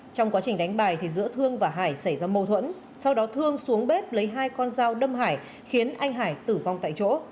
trong quá trình đánh bài giữa thương và hải xảy ra mâu thuẫn sau đó thương xuống bếp lấy hai con dao đâm hải khiến anh hải tử vong tại chỗ